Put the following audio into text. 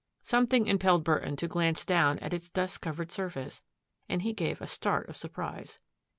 Something impelled Burton to glance down at its dust covered surface and he gave a start of surprise.